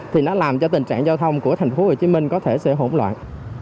thì nó làm cho tình trạng giao thông của thành phố hồ chí minh có thể sẽ hỗn loạn